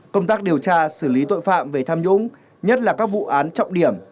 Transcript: công tác điều tra xử lý tội phạm về tham nhũng nhất là các vụ án trọng điểm